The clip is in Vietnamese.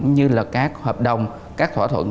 như là các hợp đồng các thỏa thuận